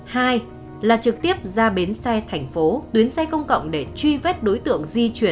hai là trực tiếp ra bến xe thành phố tuyến xe công cộng để truy vết đối tượng